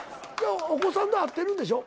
お子さんと会ってるんでしょ？